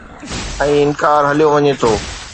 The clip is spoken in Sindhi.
۽ انڪار هليو وڃي ٿو